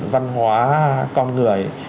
văn hóa con người